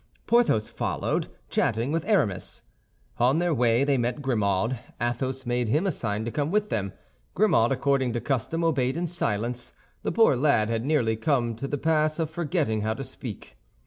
Porthos followed, chatting with Aramis. On their way they met Grimaud. Athos made him a sign to come with them. Grimaud, according to custom, obeyed in silence; the poor lad had nearly come to the pass of forgetting how to speak.